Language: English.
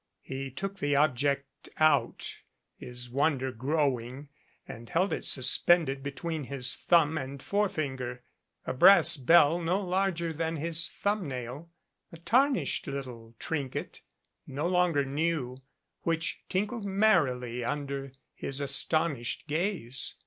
He took the object out, his wonder growing, and held it suspended between his thumb and forefinger. A brass bell no larger than his thumbnail, a tarnished little trinket, no longer new, which tinkled merrily under his astonished gaze.